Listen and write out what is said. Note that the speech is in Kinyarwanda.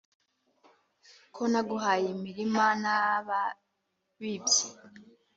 ko naguhaye imirima n' ababibyi